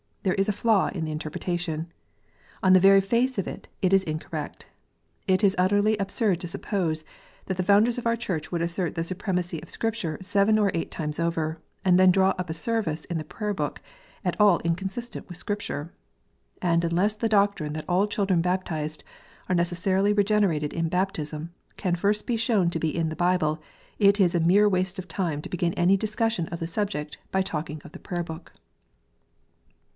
There is a flaw in the interpretation. On the very face of it, it is incorrect. It is utterly absurd to suppose that the founders of our Church would assert the supremacy of Scripture seven or eight times over, and then draw up a service in the Prayer book at all inconsistent with Scripture ! And unless the doctrine that all children baptized are necessarily regenerated in baptism, can first be shown to be in the Bible, it is a mere waste of time to begin any discussion of the subject by talkino of the Prayer book.